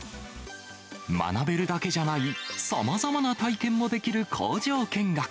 学べるだけじゃない、さまざまな体験もできる工場見学。